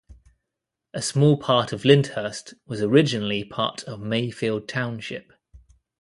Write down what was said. A small part of Lyndhurst was originally part of Mayfield Township.